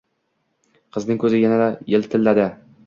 Qizining koʻzi yana yiltilladi.